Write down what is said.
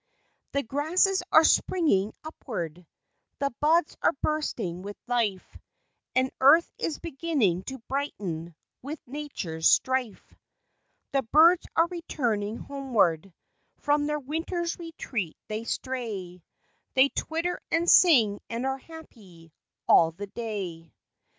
The grasses are springing upward, The buds are bursting with life, And earth is beginning to brighten, With natures strife. The birds are returning homeward, From their winter's retreat they stray, They twitter and sing and are happy All the day.